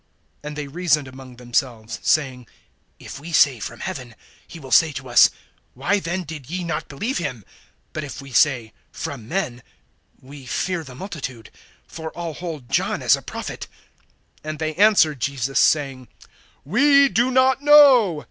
And they reasoned among themselves, saying: If we say, From heaven, he will say to us: Why then did ye not believe him? (26)But if we say, From men, we fear the multitude; for all hold John as a prophet. (27)And they answered Jesus, saying: We do not know.